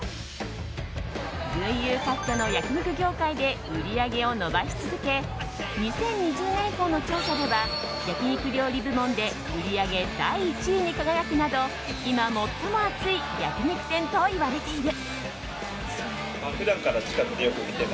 群雄割拠の焼き肉業界で売り上げを伸ばし続け２０２０年以降の調査では焼き肉料理部門で売り上げ第１位に輝くなど今、最も熱い焼き肉店といわれている。